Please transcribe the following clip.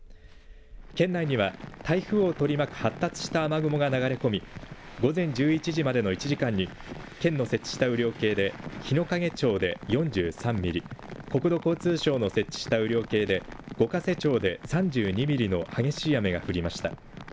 県内には台風を取り巻く発達した雨雲が流れ込み午前１１時までの１時間に県の設置した雨量計で日之影町で４３ミリ、国土交通省の設置した雨量計で五ヶ瀬町で３２ミリの激しい雨が降りました。